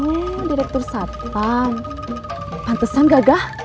oh direktur satpam pantesan gak gah